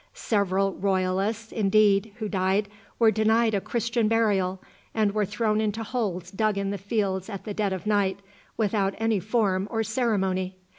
Several Royalists, indeed, who died, were denied a Christian burial, and were thrown into holes dug in the fields at the dead of night, without any form or ceremony.